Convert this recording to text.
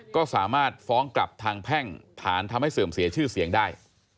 ก็สามารถฟ้องกลับทางแพ่งฐานทำให้เสื่อมเสียชื่อเสียงได้